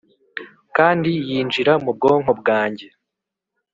kandi yinjira mu bwonko bwanjye